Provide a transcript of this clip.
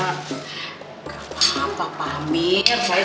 gak apa apa amir